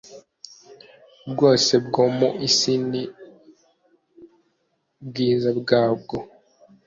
bwose bwo mu isi n ubwiza bwabwo